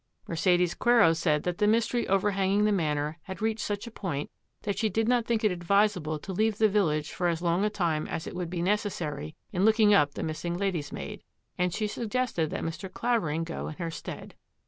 Mercedes Quero said that the mystery overhang ing the Manor had reached such a point that she did not think it advisable to leave the village for as long a time as would be necessary in looking up the missing lady's maid, and she suggested that Mr. Clavering go in her stead.